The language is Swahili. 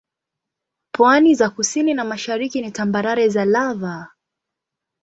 Pwani za kusini na mashariki ni tambarare za lava.